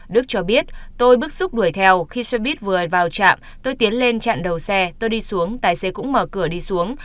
đức cho biết tôi bức xúc đuổi theo khi xe buýt vừa vào trạm tôi tiến lên chặn đầu xe tôi đi xuống tài xế cũng mở cửa đi xuống